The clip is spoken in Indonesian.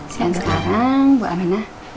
siang sekarang bu aminah ikut suster dulu ya